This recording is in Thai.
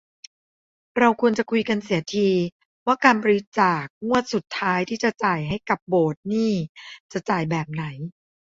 เราควรจะคุยกันเสียที ว่าการบริจาคงวดสุดท้ายที่จะจ่ายให้กับโบสถ์นี่จะจ่ายแบบไหน